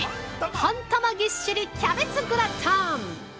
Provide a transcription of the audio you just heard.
半玉ぎっしりキャベツグラタン。